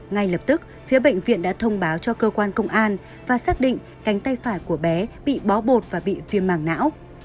ngay lập tức phía bệnh viện đã thông báo cho cơ quan công an và xác định cánh tay phải của bé bị bó bột và bị viêm mảng não